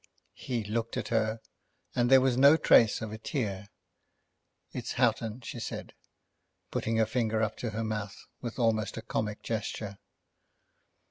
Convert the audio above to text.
He looked at her, and there was no trace of a tear. "It's Houghton," she said, putting her finger up to her mouth with almost a comic gesture.